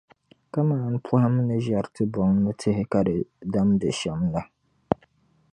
kaman pɔhim ni ʒiɛri tibɔŋ ni tihi ka di damdi shɛm la.